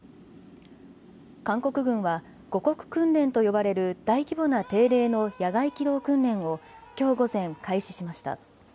韓国軍は護国訓練と呼ばれる大規模な定例の野外機動訓練をきょう午前、開始しました。